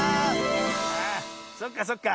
ああそっかそっか。